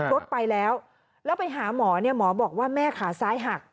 รถไปแล้วแล้วไปหาหมอเนี่ยหมอบอกว่าแม่ขาซ้ายหัก